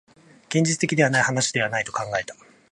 現実的な話ではないと考えた